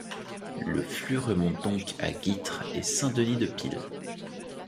Le flux remonte donc à Guîtres et Saint-Denis-de-Pile.